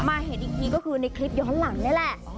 มาเห็นอีกทีก็คือในคลิปย้อนหลังนี่แหละ